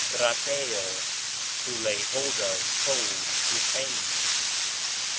Kparéw, to lay hold of, hold, retain.